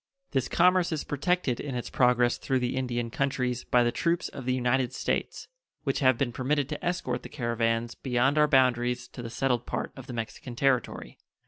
This commerce is protected in its progress through the Indian countries by the troops of the United States, which have been permitted to escort the caravans beyond our boundaries to the settled part of the Mexican territory.